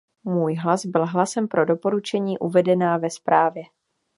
Můj hlas byl hlasem pro doporučení uvedená ve zprávě.